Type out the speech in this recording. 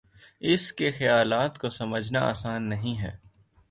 اس کے خیالات کو سمجھنا آسان نہیں ہے